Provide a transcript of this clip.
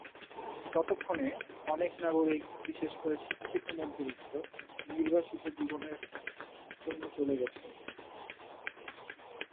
ততক্ষণে, অনেক নাগরিক, বিশেষ করে শিক্ষিত মধ্যবিত্ত, নির্বাসিত জীবনের জন্য চলে গেছে।